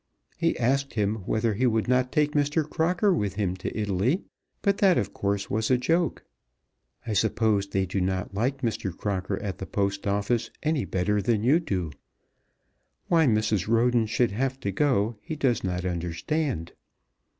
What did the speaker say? He asked him whether he would not take Mr. Crocker with him to Italy; but that of course was a joke. I suppose they do not like Mr. Crocker at the Post Office any better than you do. Why Mrs. Roden should have to go he does not understand.